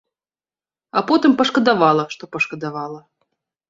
А потым пашкадавала, што пашкадавала.